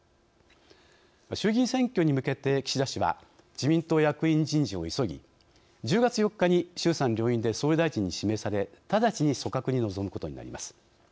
衆議院選挙に向けて岸田氏は自民党役員人事を急ぎ１０月４日に衆参両院で総理大臣に指名され直ちに組閣に臨むことになります。